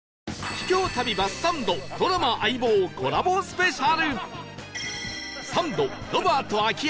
秘境旅バスサンドドラマ『相棒』コラボスペシャル